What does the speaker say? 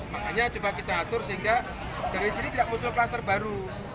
makanya coba kita atur sehingga dari sini tidak muncul klaster baru